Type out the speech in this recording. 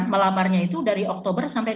melamarnya itu dari oktober sampai